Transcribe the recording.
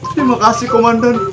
terima kasih komandan